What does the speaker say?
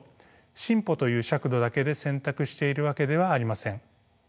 進歩という尺度だけで選択しているわけではありません。